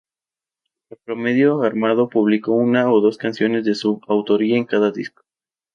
En promedio Armando publicó una o dos canciones de su autoría en cada disco.